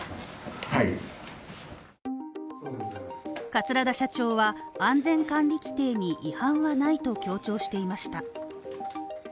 桂田社長は安全管理規程に違反はないと強調していました。